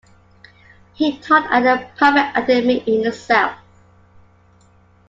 He taught at a private academy in the South.